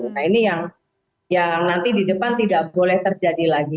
nah ini yang nanti di depan tidak boleh terjadi lagi